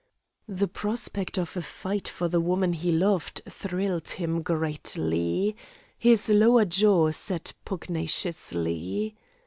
The prospect of a fight for the woman he loved thrilled him greatly. His lower jaw set pugnaciously.